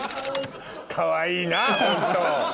かわいいなホント。